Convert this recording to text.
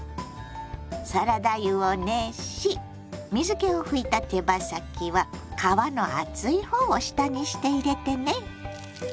サラダ油を熱し水けを拭いた手羽先は皮の厚いほうを下にして入れてね。